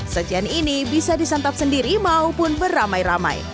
sajian ini bisa disantap sendiri maupun beramai ramai